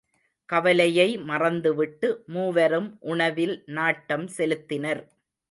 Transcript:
கவலையை மறந்துவிட்டு மூவரும் உணவில் நாட்டம் செலுத்தினர்.